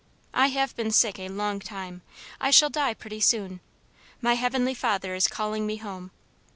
I have been sick a long time; I shall die pretty soon. My Heavenly Father is calling me home.